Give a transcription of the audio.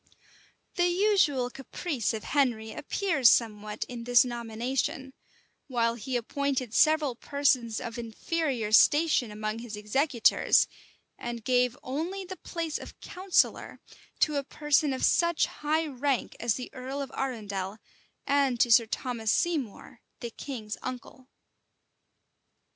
[*] The usual caprice of Henry appears somewhat in this nomination; while he appointed several persons of inferior station among his executors, and gave only the place of counsellor to a person of such high rank as the earl of Arundel, and to Sir Thomas Seymour, the king's uncle.